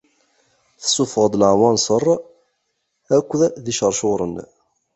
Tessufɣeḍ-d leɛwanser akked icercuren.